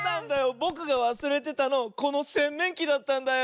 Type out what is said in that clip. ぼくがわすれてたのこのせんめんきだったんだよ。